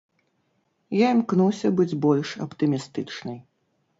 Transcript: Я імкнуся быць больш аптымістычнай.